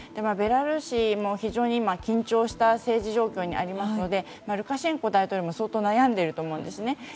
ベラルーシも非常に緊張した政治状況にありますのでルカシェンコ大統領も相当、悩んでいると思います。